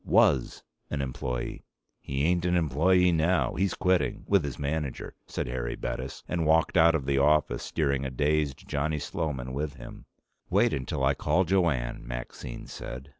"Was an employee. He ain't an employee now. He's quitting with his manager," said Harry Bettis, and walked out of the office, steering a dazed Johnny Sloman with him. "Wait until I call Jo Anne," Maxine said.